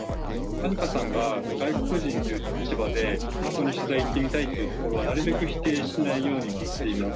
アニカさんが外国人という立場でここに取材行ってみたいっていうところはなるべく否定しないようにはしています。